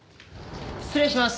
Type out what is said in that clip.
失礼します。